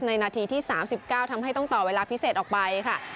ในนาทีที่สามสิบเก้าทำให้ต้องต่อเวลาพิเศษออกไปค่ะ